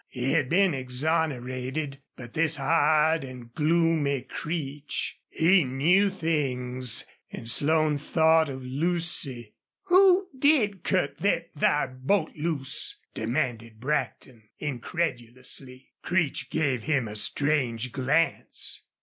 He had been exonerated. But this hard and gloomy Creech he knew things. And Slone thought of Lucy. "Who did cut thet thar boat loose?" demanded Brackton, incredulously. Creech gave him a strange glance.